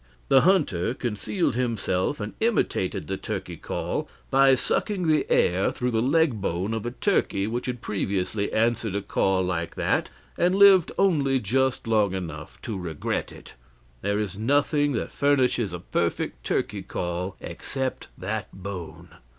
The hunter concealed himself and imitated the turkey call by sucking the air through the leg bone of a turkey which had previously answered a call like that and lived only just long enough to regret it. There is nothing that furnishes a perfect turkey call except that bone.